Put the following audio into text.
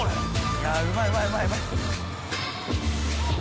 いやうまいうまい。